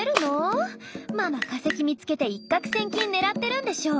ママ化石見つけて一獲千金狙ってるんでしょ。